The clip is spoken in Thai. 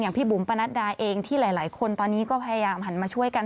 พี่บุ๋มปนัดดาเองที่หลายคนตอนนี้ก็พยายามหันมาช่วยกัน